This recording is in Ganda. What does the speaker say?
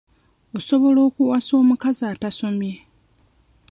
Osobola okuwasa omukazi atasomye?